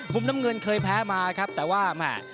มุมน้ำเงินเคยแพ้มาครับแต่ว่าแหม่